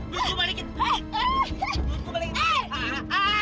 duit gua balikin